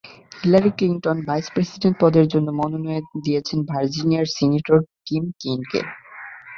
Hillary Clinton vice president পদের জন্য মনোনয়ন দিয়েছেন ভার্জিনিয়ার সিনেটর টিম কেইনকে।